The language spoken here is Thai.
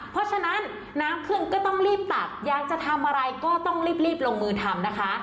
เพราะฉะนั้นน้ำขึ้นก็ต้องรีบตักอยากจะทำอะไรก็ต้องรีบลงมือทำนะคะ